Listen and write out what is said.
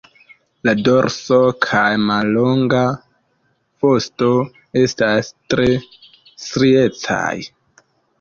La dorso kaj mallonga vosto estas tre striecaj.